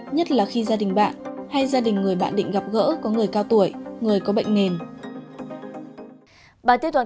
nhất là khi gia đình bạn hay gia đình người bạn định gặp gỡ có người cao tuổi người có bệnh nền